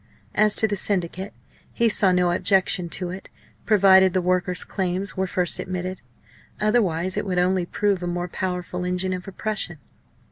As to the Syndicate, he saw no objection to it, provided the workers' claims were first admitted. Otherwise it would only prove a more powerful engine of oppression.